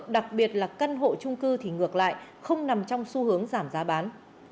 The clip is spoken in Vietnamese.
đặc biệt là căn hộ trung cư thì ngược lại không nằm trong xu hướng giảm giá bán